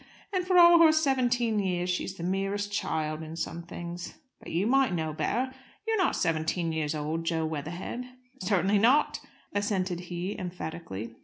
And, for all her seventeen years, she is the merest child in some things. But you might know better. You are not seventeen years old, Jo Weatherhead." "Certainly not," assented he emphatically.